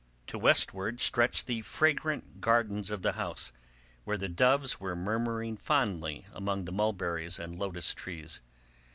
To westward stretched the fragrant gardens of the house, where the doves were murmuring fondly among the mulberries and lotus trees.